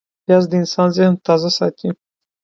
پیاز د انسان ذهن تازه ساتي